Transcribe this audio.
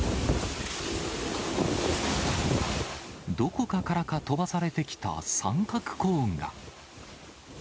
どこかからか飛ばされてきた三角コーンが。